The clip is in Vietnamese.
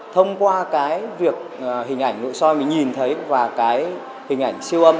thông qua cái việc hình ảnh nội soi mình nhìn thấy và cái hình ảnh siêu âm